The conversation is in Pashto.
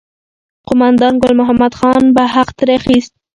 قوماندان ګل محمد خان به حق ترې اخیست.